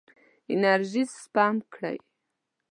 انرژي سپم کړئ.